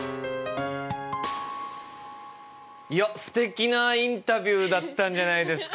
いやすてきなインタビューだったんじゃないですか？